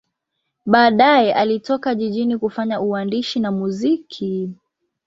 Baadaye alitoka jijini kufanya uandishi na muziki.